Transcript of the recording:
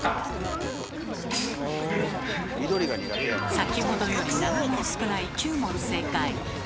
先ほどより７問少ない９問正解。